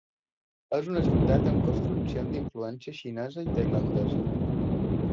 És una ciutat amb construccions d'influència xinesa i tailandesa.